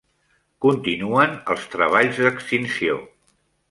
Continuen els treballs d'extinció.